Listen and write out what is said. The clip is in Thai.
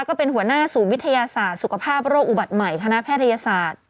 ก็เป็นหัวหน้าศูนย์วิทยาศาสตร์สุขภาพโรคอุบัติใหม่คณะแพทยศาสตร์